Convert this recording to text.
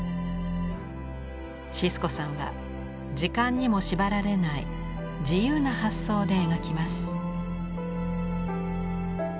シスコさんは時間にも縛られない自由な発想で描きます。